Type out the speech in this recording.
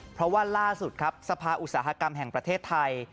เพราะว่าล่าสุดครับสภาอุตสาหกรรมแห่งประเทศไทย